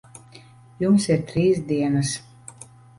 Jums ir trīs dienas.